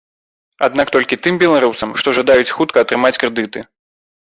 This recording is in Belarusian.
Аднак толькі тым беларусам, што жадаюць хутка атрымаць крэдыты.